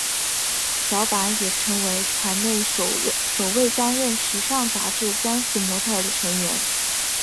小坂也成为团内首位担任时尚杂志专属模特儿的成员。